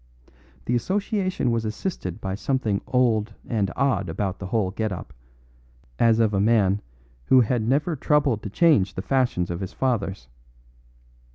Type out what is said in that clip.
The association was assisted by something old and odd about the whole get up, as of a man who had never troubled to change the fashions of his fathers.